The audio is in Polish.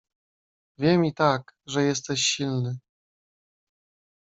"Wiem i tak, że jesteś silny."